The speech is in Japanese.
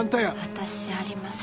私じゃありません